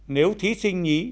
nếu thí sinh nhí